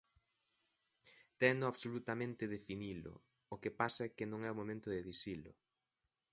Teno absolutamente definilo, o que pasa é que non é o momento de dicilo.